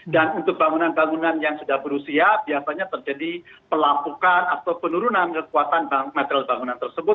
dan untuk bangunan bangunan yang sudah berusia biasanya terjadi pelapukan atau penurunan kekuatan material bangunan tersebut